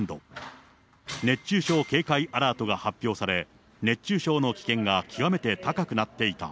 熱中症警戒アラートが発表され、熱中症の危険が極めて高くなっていた。